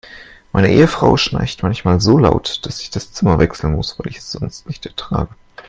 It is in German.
Meine Ehefrau schnarcht manchmal so laut, dass ich das Zimmer wechseln muss, weil ich es sonst nicht ertrage.